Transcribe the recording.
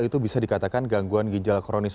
itu bisa dikatakan gangguan ginjal kronis